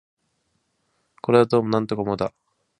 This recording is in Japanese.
これはどうも尤もだ